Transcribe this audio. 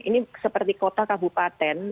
ini seperti kota kabupaten